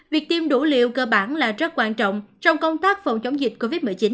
việc tiêm đủ liều cơ bản là rất quan trọng trong công tác phòng chống dịch covid một mươi chín